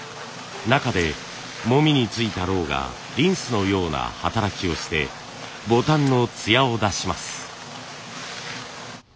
中でもみに付いたロウがリンスのような働きをしてボタンのつやを出します。